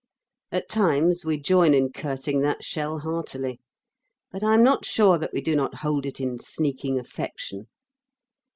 At times we join in cursing that shell heartily, but I am not sure that we do not hold it in sneaking affection.